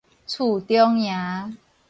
澍中營